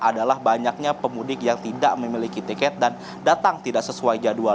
adalah banyaknya pemudik yang tidak memiliki tiket dan datang tidak sesuai jadwal